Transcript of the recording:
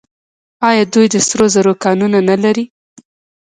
آیا دوی د سرو زرو کانونه نلري؟